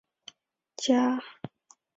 嘉靖三十五年丙辰科进士。